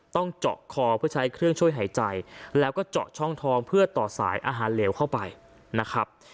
ต้องเจาะคอเพื่อใช้เครื่องช่วยหายใจแล้วก็เจาะช่องทองเพื่อต่อสายอาหารเหลวเข้าไปนะครับ